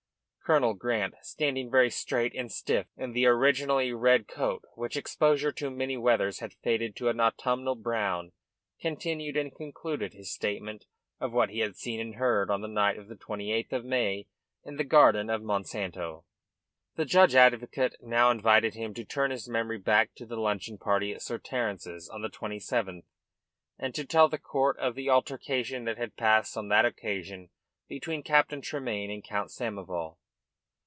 Colonel Grant, standing very straight and stiff in the originally red coat which exposure to many weathers had faded to an autumnal brown, continued and concluded his statement of what he had seen and heard on the night of the 28th of May in the garden at Monsanto. The judge advocate now invited him to turn his memory back to the luncheon party at Sir Terence's on the 27th, and to tell the court of the altercation that had passed on that occasion between Captain Tremayne and Count Samoval.